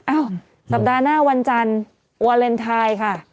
อ้าวสัปดาห์หน้าวันจันทร์วาเลนไทยค่ะ